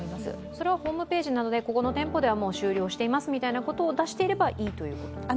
それはホームページなどでここの店舗では終了していますと出していればいいということですか？